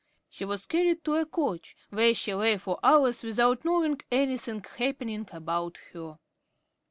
She was carried to a couch, where she lay for hours without knowing anything happening about her.